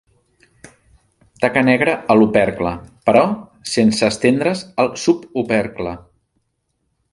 Taca negra a l'opercle, però sense estendre's al subopercle.